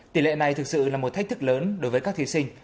tỷ lệ này thực sự là một thách thức lớn đối với các thí sinh